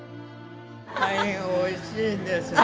大変おいしいですよ。